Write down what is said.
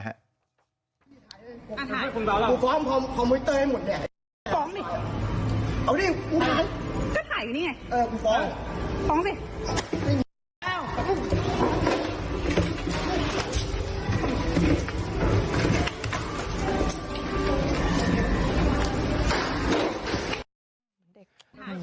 อ้าวออกสิ